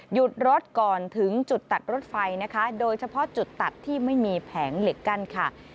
หยุดรถก่อนถึงจุดตัดรถไฟนะคะโดยเฉพาะจุดตัดที่ไม่มีแผงเหล็กกั้นค่ะ